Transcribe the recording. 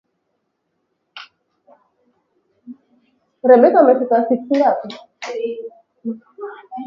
Na mwaka uliofuata elfu moja mia tisa sitini na saBa